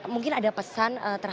mungkin ada pesan terhadap permohonan